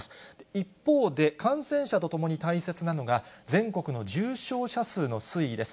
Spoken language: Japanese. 一方で、感染者とともに大切なのが、全国の重症者数の推移です。